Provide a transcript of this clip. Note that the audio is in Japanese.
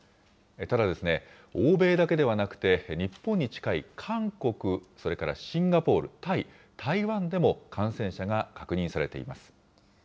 ただ、欧米だけではなくて、日本に近い韓国、それからシンガポール、タイ、台湾でも感染者が確認されています。